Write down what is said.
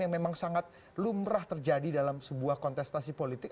atau ini sangat lumrah terjadi dalam sebuah kontestasi politik